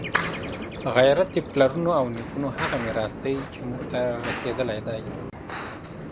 غیرت د پلرونو او نیکونو هغه میراث دی چي موږ ته رارسېدلی دی.